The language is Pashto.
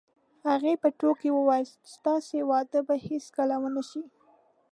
هغې په ټوکو وویل: ستاسې واده به هیڅکله ونه شي.